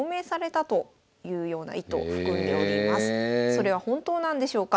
それは本当なんでしょうか？